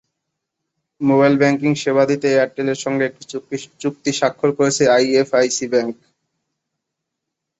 Mobile banking সেবা দিতে এয়ারটেলের সঙ্গে একটি চুক্তি স্বাক্ষর করেছে আইএফআইসি ব্যাংক।